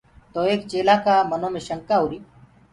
تو ايڪ چيلهآ ڪآ منو مي شکآ هُوآري۔